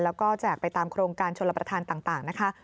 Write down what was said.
แล้วก็แจกไปตามโครงการชนรับประทานต่างนะคะ